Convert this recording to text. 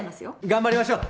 頑張りましょう。